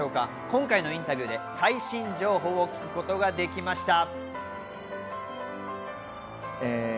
今回のインタビューで最新情報を聞くことができました。